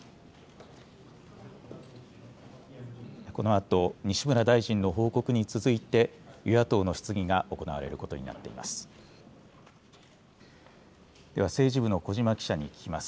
このあと、西村大臣の報告に続いて、与野党の質疑が行われることになっています。